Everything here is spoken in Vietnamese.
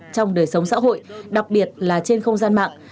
trong đời sống xã hội đặc biệt là trên không gian mạng